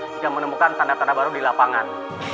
juga menemukan tanda tanda baru di lapangan